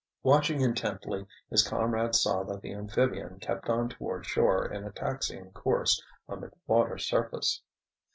Watching intently, his comrades saw that the amphibian kept on toward shore in a taxiing course on the water surface.